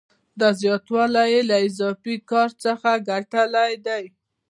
دا زیاتوالی یې له اضافي کار څخه ګټلی دی